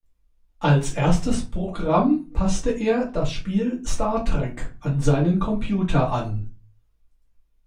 Als erstes Programm passte er das Spiel Star Trek an seinen Computer an.